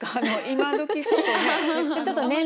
今どきちょっとね。